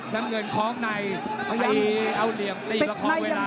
น้ำเงินคล้องในพยายามเอาเหลี่ยมตีประคองเวลา